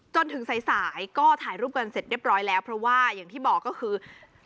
จนถึงสายก็ถ่ายรูปกันเสร็จเรียบร้อยแล้วเพราะว่าอย่างที่บอกก็คือ